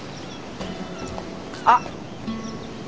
あっ。